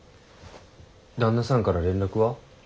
旦那さんから連絡は？